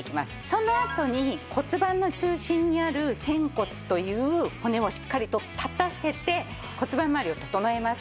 そのあとに骨盤の中心にある仙骨という骨をしっかりと立たせて骨盤まわりを整えます。